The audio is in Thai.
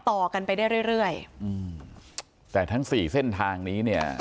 ต่อกันไปได้เรื่อยเรื่อยอืมแต่ทั้งสี่เส้นทางนี้เนี่ย